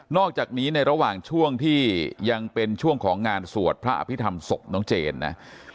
อกจากนี้ในระหว่างช่วงที่ยังเป็นช่วงของงานสวดพระอภิษฐรรมศพน้องเจนนะ